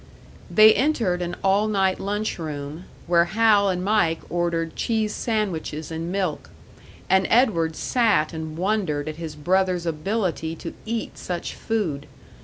They entered an all night lunch room, where Hal and Mike ordered cheese sandwiches and milk, and Edward sat and wondered at his brother's ability to eat such food.